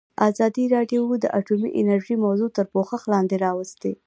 ازادي راډیو د اټومي انرژي موضوع تر پوښښ لاندې راوستې.